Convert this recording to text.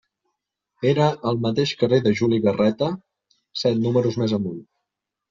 Era al mateix carrer de Juli Garreta set números més amunt.